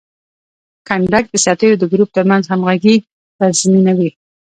کنډک د سرتیرو د ګروپ ترمنځ همغږي تضمینوي.